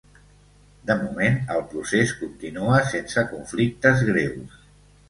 De moment, el procés continua sense conflictes greus.